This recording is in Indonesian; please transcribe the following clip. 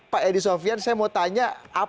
pak edi sofian saya mau tanya